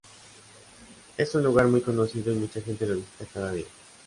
Es un lugar muy conocido y mucha gente lo visita cada día.